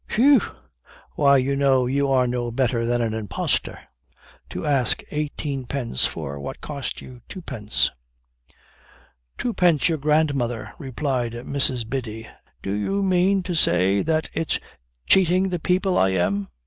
whew! why, you are know no better than an impostor, to ask eighteen pence for what cost you twopence." "Twopence, your grandmother!" replied Mrs. Biddy: "do you mane to say that it's chating the people I am?